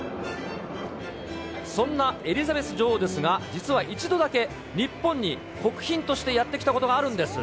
そんなエリザベス女王ですが、実は一度だけ、日本に国賓としてやって来たことがあるんです。